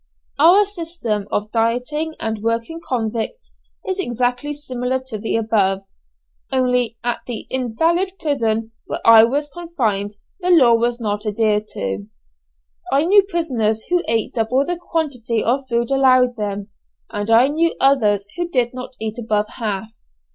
Our system of dieting and working convicts is exactly similar to the above; only at the invalid prison where I was confined the law was not adhered to. I knew prisoners who ate double the quantity of food allowed them, and I knew others who did not eat above half.